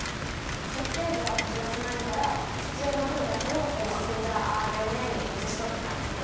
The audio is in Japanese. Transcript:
設計図は持ち出せないから必要な分だけをメッセンジャーＲＮＡに写し取ってたんですね。